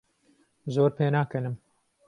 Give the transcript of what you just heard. زۆر پێناکەنم.